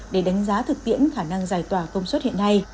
để đánh giá thực tiễn khả năng giải tỏa công suất hiện nay